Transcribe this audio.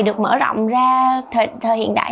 được mở rộng ra thời hiện đại